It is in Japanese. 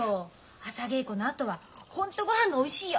朝稽古のあとはホントごはんがおいしいよ。